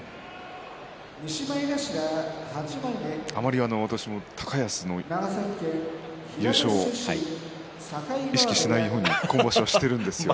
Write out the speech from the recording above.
あまり高安の優勝を意識しないように今場所しているんですね。